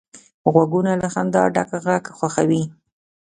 غوږونه له خندا ډک غږ خوښوي